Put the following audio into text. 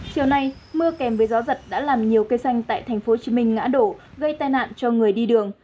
chiều nay mưa kèm với gió giật đã làm nhiều cây xanh tại tp hcm ngã đổ gây tai nạn cho người đi đường